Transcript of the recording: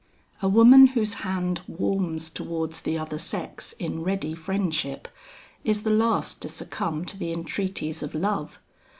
A woman whose hand warms towards the other sex in ready friendship, is the last to succumb to the entreaties of love.